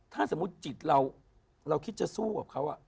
ถ้าสมมุติจิตเราคิดจะสู้กับเขา